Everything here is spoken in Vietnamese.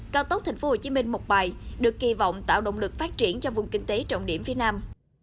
cao tốc tp hcm một bài được kỳ vọng tạo động lực phát triển cho vùng kinh tế trọng điểm phía nam